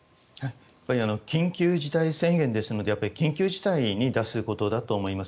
緊急事態宣言ですので緊急事態に出すことだと思います。